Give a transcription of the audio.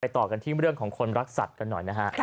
ต่อกันที่เรื่องของคนรักสัตว์กันหน่อยนะฮะ